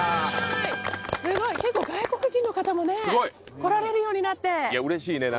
すごい結構外国人の方もねすごい！来られるようになって嬉しいね